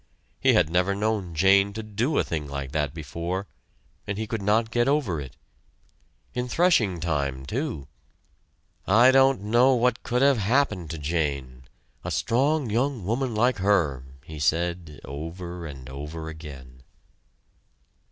He had never known Jane to do a thing like that before, and he could not get over it. In threshing time, too! "I don't know what could have happened to Jane a strong young woman like her," he said over and over again.